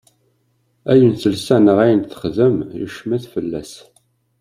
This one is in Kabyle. Ayen telsa neɣ ayen texdem yecmet fell-as.